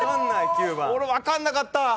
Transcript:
俺分かんなかった。